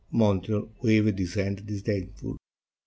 Montreal waved his hand disdainfully.